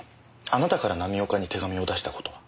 あなたから浪岡に手紙を出したことは？